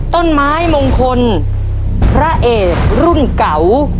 ต้นไม้มงคลพระเอกรุ่นเก่า